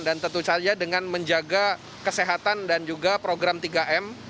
dan tentu saja dengan menjaga kesehatan dan juga program tiga m